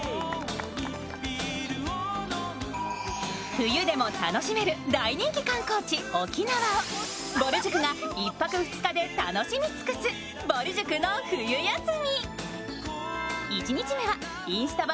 冬でも楽しめる大人気観光地、沖縄をぼる塾が１泊２日で楽しみ尽くす、「ぼる塾の冬休み」